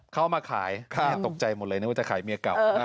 เขาเอามาขายตกใจหมดเลยนึกว่าจะขายเมียเก่า